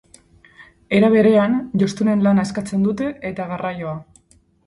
Era berean, jostunen lana eskatzen dute eta garraioa.